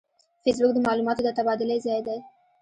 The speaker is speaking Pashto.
فېسبوک د معلوماتو د تبادلې ځای دی